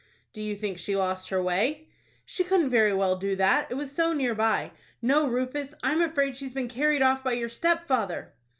"Do you think she lost her way?" "She couldn't very well do that, it was so near by. No, Rufus, I am afraid she has been carried off by your stepfather."